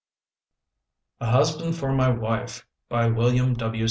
net A HUSBAND FOR MY WIFE By WILLIAM W.